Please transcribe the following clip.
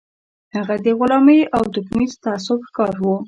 هغه د غلامۍ او توکميز تعصب ښکار و